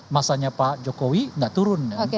massanya pak jokowi enggak turun